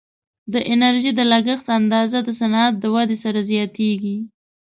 د انرژي د لګښت اندازه د صنعت د ودې سره زیاتیږي.